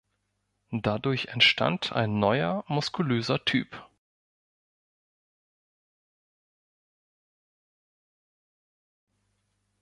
Dadurch entstand ein neuer, muskulöser Typ.